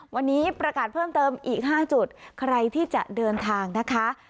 วันนี้ประกาศเพิ่มเติมอีก๕จุดใครที่จะเดินทางนะคะ